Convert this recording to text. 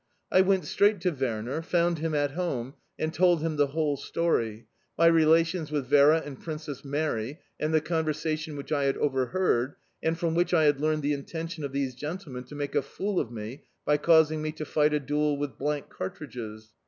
I went straight to Werner, found him at home, and told him the whole story my relations with Vera and Princess Mary, and the conversation which I had overheard and from which I had learned the intention of these gentlemen to make a fool of me by causing me to fight a duel with blank cartridges.